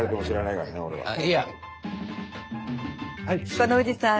「このおじさん